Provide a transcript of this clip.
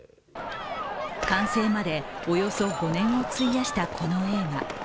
完成まで、およそ５年を費やしたこの映画。